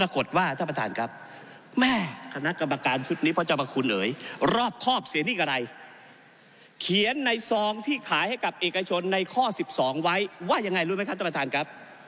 ข้อ๑๒ไว้ว่ายังไงรู้ไหมครับตำราธารครับ